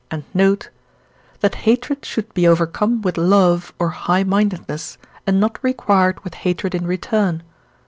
and note), that hatred should be overcome with love or high mindedness, and not required with hatred in return.